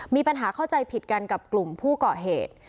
มีปัญหาเข้าใจผิดกันกับกลุ่มผู้ก่อเหตุ